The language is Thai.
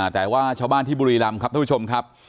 แต่ว่าชาวบ้านที่บุรีรำครับท่านผู้ชมครับ